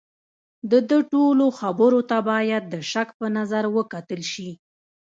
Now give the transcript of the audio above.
د ده ټولو خبرو ته باید د شک په نظر وکتل شي.